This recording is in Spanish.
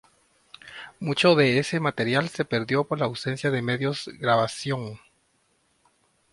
Mucho de ese material se perdió por la ausencia de medios grabación.